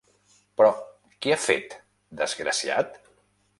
-Però, què ha fet, desgraciat?